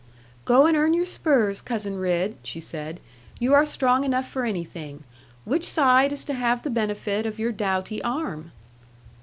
'Go and earn your spurs, Cousin Ridd,' she said: 'you are strong enough for anything. Which side is to have the benefit of your doughty arm?'